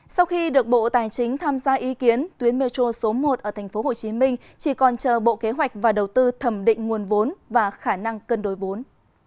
sau khi được bộ tài chính tham gia ý kiến tuyến metro số một ở tp hcm chỉ còn chờ bộ kế hoạch và đầu tư thẩm định nguồn vốn và khả năng cân đối vốn